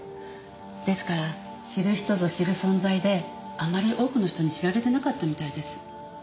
ですから知る人ぞ知る存在であまり多くの人に知られてなかったみたいです。